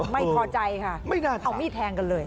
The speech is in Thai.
ไม่พอใจค่ะเอามีดแทงกันเลย